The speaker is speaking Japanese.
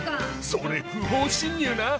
それ不法侵入な。